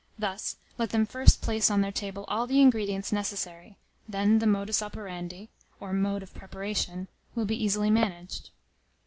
Thus, let them first place on their table all the INGREDIENTS necessary; then the modus operandi, or MODE of preparation, will be easily managed.